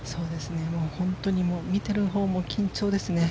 本当に見ているほうも緊張ですね。